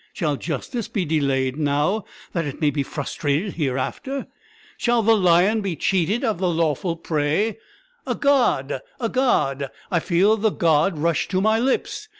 Shall justice be delayed now, that it may be frustrated hereafter? Shall the lion be cheated of his lawful prey? A god! a god! I feel the god rush to my lips!